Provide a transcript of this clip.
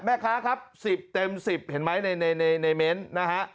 แม่ค้าครับ๑๐เต็ม๑๐เห็นไหมในเม้นต์นะฮะ